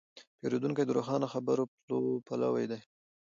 پیرودونکی د روښانه خبرو پلوی دی.